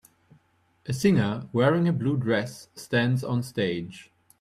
A singer wearing a blue dress stands on stage.